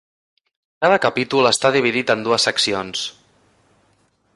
Cada capítol està dividit en dues seccions.